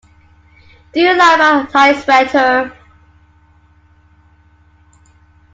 Do You Like My Tight Sweater?